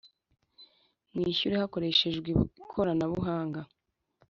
Mwishyure hakoreshejwe ikoranabuhanga